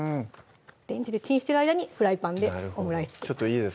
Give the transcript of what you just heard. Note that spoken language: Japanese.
レンジでチンしてる間にフライパンでオムライス作ります